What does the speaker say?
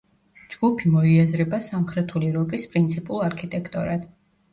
ჯგუფი მოიაზრება სამხრეთული როკის პრინციპულ არქიტექტორად.